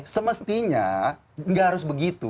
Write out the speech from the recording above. semestinya nggak harus begitu